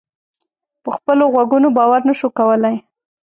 په خپلو غوږونو باور نه شو کولای.